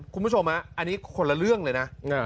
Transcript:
คุณผู้ชมอันนี้คนละเรื่องเลยนะ